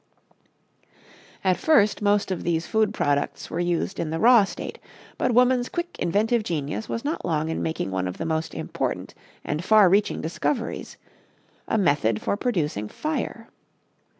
At first most of these food products were used in the raw state, but woman's quick inventive genius was not long in making one of the most important and far reaching discoveries a method for producing fire.